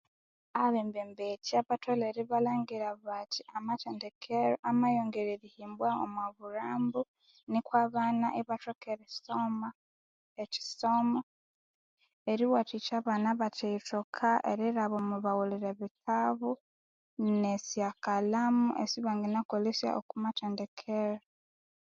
Abembembetya batholere ibalhangira bathi amathendekero amayongerwa erihimbwa omwamalhambo abana bagathoka erisoma